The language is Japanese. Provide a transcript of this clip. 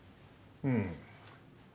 うん。